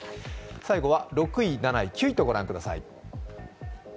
最後は６位、７位、９位とご覧ください。